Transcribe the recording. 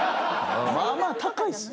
まあまあ高いっすよ。